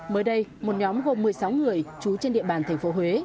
mới đây một nhóm gồm một mươi sáu người trú trên địa bàn tp huế